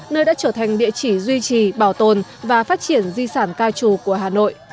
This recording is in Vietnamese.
nơi đã trở thành địa chỉ duy trì bảo tồn và phát triển di sản ca trù của hà nội